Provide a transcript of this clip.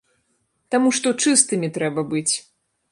Таму што чыстымі трэба быць!